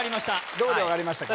どこで分かりましたか？